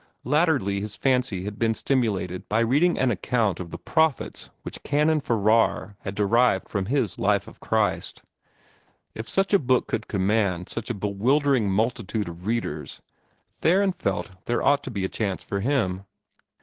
Latterly his fancy had been stimulated by reading an account of the profits which Canon Farrar had derived from his "Life of Christ." If such a book could command such a bewildering multitude of readers, Theron felt there ought to be a chance for him.